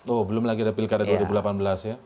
oh belum lagi ada pilkada dua ribu delapan belas ya